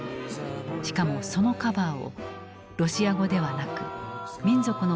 しかもそのカバーをロシア語ではなく民族の言葉